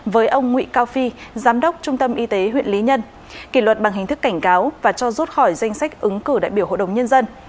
với ông nguyễn cao phi giám đốc trung tâm y tế huyện lý nhân kỷ luật bằng hình thức cảnh cáo và cho rút khỏi danh sách ứng cử đại biểu hội đồng nhân dân